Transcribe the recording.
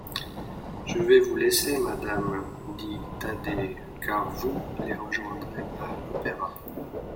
Je vais vous laisser, madame, dit Thaddée, car vous les rejoindrez à l’Opéra.